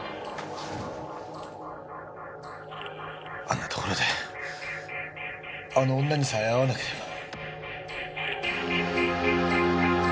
あんな所であの女にさえ会わなければ。